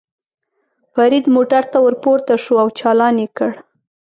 فرید موټر ته ور پورته شو او چالان یې کړ.